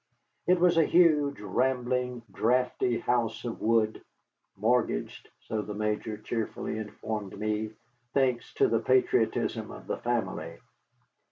It was a huge, rambling, draughty house of wood, mortgaged, so the Major cheerfully informed me, thanks to the patriotism of the family.